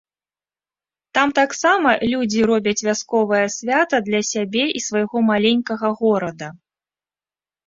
Там таксама людзі робяць вясковае свята для сябе і свайго маленькага горада.